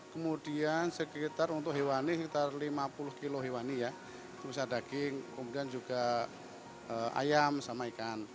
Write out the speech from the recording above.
kemudian untuk hewani sekitar lima puluh kg hewani bisa daging kemudian juga ayam sama ikan